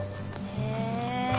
へえ。